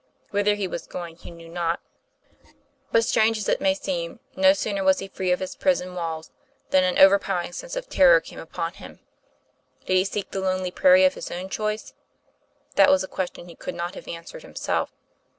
Whither he was going he knew not. But, strange 248 TOM PLAY FAIR. as it may seem, no sooner was he free of his prison walls than an overpowering sense of terror came upon him. Did he seek the lonely prairie of his own choice ? That was a question he could not have answered himself.